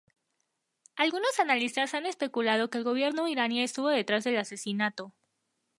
Algunos analistas han especulado que el gobierno iraní estuvo detrás del asesinato.